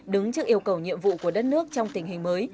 đứng trước yêu cầu nhiệm vụ của đất nước trong tình hình mới